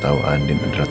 mama sudah senang